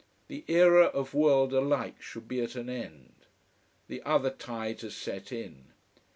The era of world alike should be at an end. The other tide has set in.